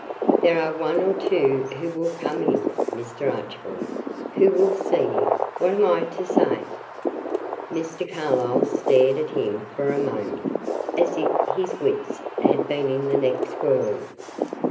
"There are one or two who will come in, Mr. Archibald who will see you; what am I to say?" Mr. Carlyle stared at him for a moment, as if his wits had been in the next world.